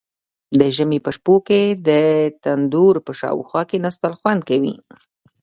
د ژمي په شپو کې د تندور په شاوخوا کیناستل خوند کوي.